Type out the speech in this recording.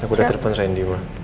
aku udah telpon randy